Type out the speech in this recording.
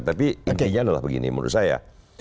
tapi intinya adalah begini menurut saya